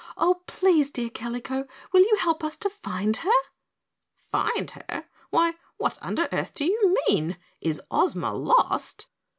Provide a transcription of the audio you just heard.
Oh, please, dear Kalico, will you help us to find her?" "Find her? Why, what under the earth do you mean? Is Ozma lost?"